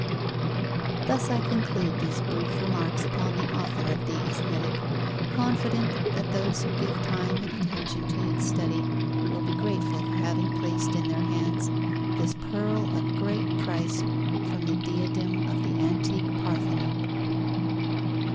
Thus I conclude these brief remarks upon the author of the Aesthetic, confident that those who give time and attention to its study will be grateful for having placed in their hands this pearl of great price from the diadem of the antique Parthenope.